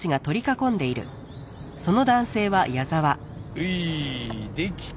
ういできた。